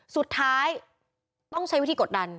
สุดท้ายต้องใช้วิธีกดดัน